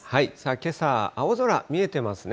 けさ、青空見えてますね。